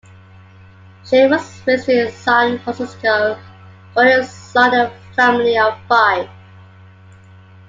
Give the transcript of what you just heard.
Shelley was raised in San Francisco, the only son in a family of five.